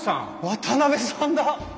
渡さんだ！